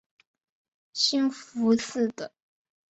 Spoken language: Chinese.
兴福寺的。